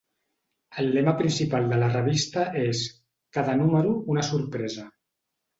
El lema principal de la revista és "Cada número, una sorpresa".